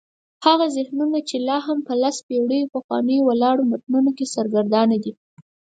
هغه ذهنونه چې لا هم په لس پېړۍ پخوانیو ولاړو متونو کې سرګردانه دي.